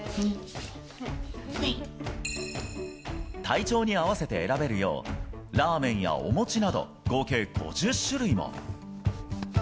体調に合わせて選べるよう、ラーメンやお餅など、合計５０種類も。